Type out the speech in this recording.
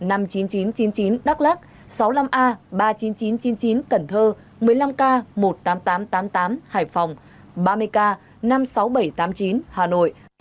năm mươi chín nghìn chín trăm chín mươi chín đắk lắc sáu mươi năm a ba mươi chín nghìn chín trăm chín mươi chín cần thơ một mươi năm k một mươi tám nghìn tám trăm tám mươi tám hải phòng ba mươi k năm mươi sáu nghìn bảy trăm tám mươi chín hà nội